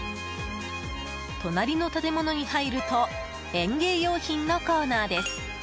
隣の建物に入ると園芸用品のコーナーです。